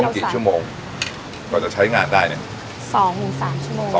กิจชั่วโมงก่อนจะใช้งานได้เนี้ย